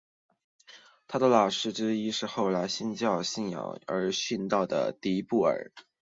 他的老师之一是后来为新教信仰而殉道的迪布尔。